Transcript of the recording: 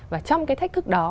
và trong cái thách thức đó